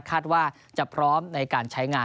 คาดว่าจะพร้อมในการใช้งาน